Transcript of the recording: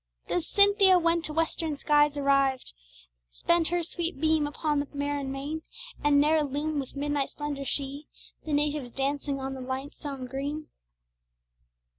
Does Cynthia, when to western skies arriv'd, Spend her sweet beam upon the barren main, And ne'er illume with midnight splendor, she, The natives dancing on the lightsome green?